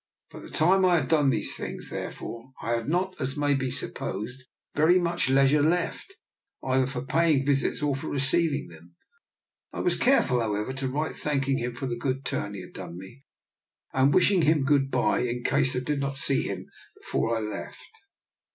By the time I had done these DR. NIKOLA'S EXPERIMENT. 73 things, therefore, I had not, as may be sup posed, very much leisure left, either for pay ing visits or for receiving them. I was care ful, however, to write thanking him for the good turn he had done me, and wishing him good bye in case I did not see him before I left.